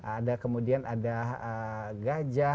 ada kemudian ada gajah